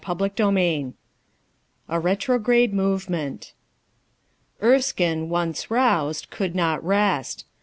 CHAPTER XXVII A RETROGRADE MOVEMENT ERSKINB, once roused, could not rest.